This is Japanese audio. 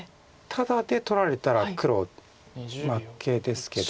タダで取られたら黒負けですけど。